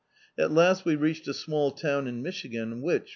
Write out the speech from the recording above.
At last we reached a small town in Michigan which.